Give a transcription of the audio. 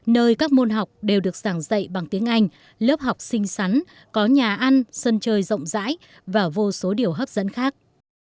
nơi các môn học đều được giảng dạy bằng tiếng anh lớp học xinh xắn có nhà ăn sân chơi rộng rãi và vô số điều hấp dẫn khác